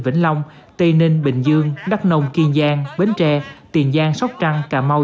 vĩnh long tây ninh bình dương đắk nông kiên giang bến tre tiền giang sóc trăng cà mau